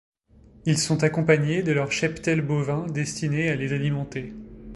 Ils sont accompagnés de leur cheptel bovin destiné à les alimenter.